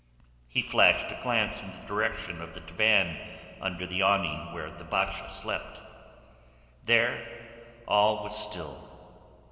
He flashed a glance in the direction of the divan under the awning where the Basha slept. There all was still.